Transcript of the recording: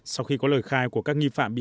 sau khi có lời khai của các nghi phạm